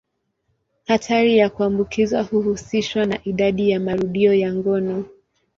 Hatari ya kuambukizwa huhusishwa na idadi ya marudio ya ngono.